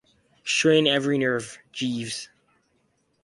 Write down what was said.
Strain every nerve, Jeeves.